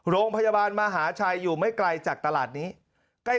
โรงพยาบาลมหาชัยอยู่ไม่ไกลจากตลาดนี้ใกล้